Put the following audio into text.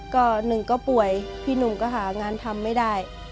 ก็หนึ่งก็ป่วยพี่หนุ่มก็หางานทำไม่ได้